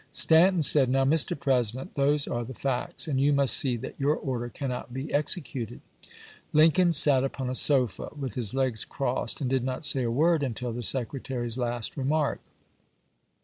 Stanton said: '' Now, Mr. President, those are the facts, and you must see that yom* order cannot be executed." Lincoln sat upon a sofa with his legs crossed, and did not say a word until the Secretary's last remark.